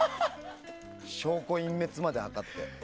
証拠隠滅まで図って。